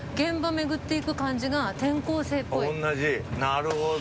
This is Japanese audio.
なるほど。